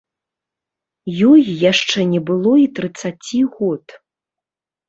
Ёй яшчэ не было і трыццаці год.